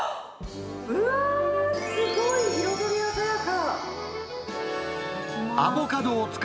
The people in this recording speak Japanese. うわー、すごい彩り鮮やか。